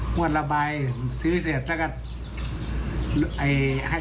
งวดละใบซื้อเสร็จแล้วก็